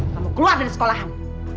kamu keluar dari sekolah an